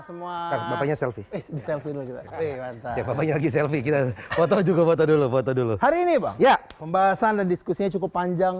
semua selvi selvi selvi kita foto foto dulu dulu hari ini ya pembahasan dan diskusinya cukup panjang